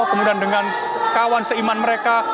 kemudian dengan kawan seiman mereka